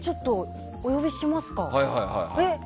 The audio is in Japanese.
お呼びしますか。